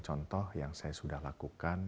contoh yang saya sudah lakukan